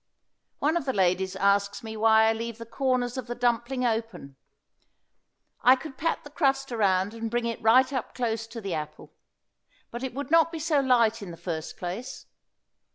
One of the ladies asks me why I leave the corners of the dumpling open. I could pat the crust around and bring it right up close to the apple, but it would not be so light in the first place.